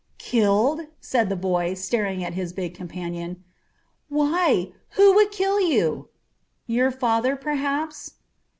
"Killed?" said the boy, staring at his big companion. "Why, who would kill you?" "Your father, perhaps."